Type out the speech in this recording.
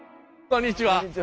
こんにちは。